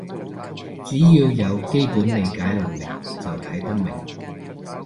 只要有基本理解能力就睇得明